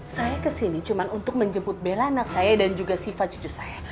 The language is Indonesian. saya ke sini cuma untuk menjemput bella anak saya dan juga siva cucu saya